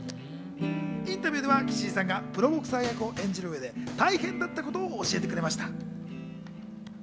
インタビューでは岸井さんがプロボクサー役を演じる上で大変だったことを教えてくれました。